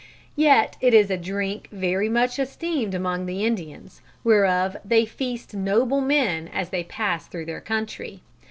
Yet it is a drincke very much esteemed among the Indians, whereof they feast noble men as they passe through their country.